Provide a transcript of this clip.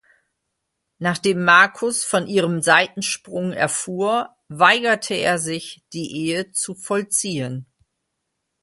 Nachdem Markus von ihrem Seitensprung erfuhr, weigerte er sich, die Ehe zu vollziehen.